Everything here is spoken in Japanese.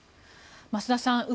増田さん